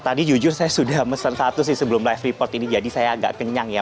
tadi jujur saya sudah mesen satu sih sebelum live report ini jadi saya agak kenyang ya